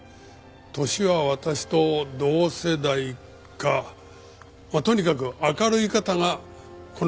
年は私と同世代かとにかく明るい方が好みです。